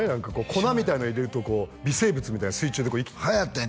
粉みたいなの入れると微生物みたいに水中ではやったんよ